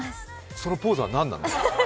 そのポーズは何なの？